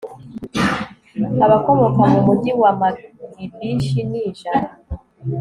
abakomoka mu mugi wa magibishi ni ijana